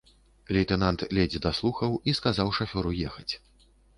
Лейтэнант ледзь даслухаў і сказаў шафёру ехаць.